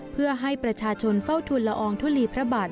เพื่อให้ประชาชนเฝ้าทุนละอองทุลีพระบาท